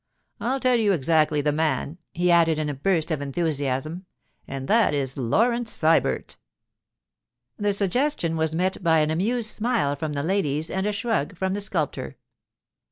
I'll tell you exactly the man,' he added, in a burst of enthusiasm, 'and that is Laurence Sybert.' The suggestion was met by an amused smile from the ladies and a shrug from the sculptor.